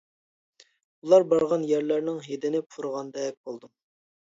ئۇلار بارغان يەرلەرنىڭ ھىدىنى پۇرىغاندەك بولدۇم.